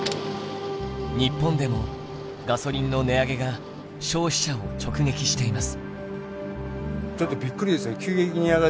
日本でもガソリンの値上げが消費者を直撃しています。